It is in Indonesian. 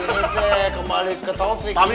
ini teh kembali ke topik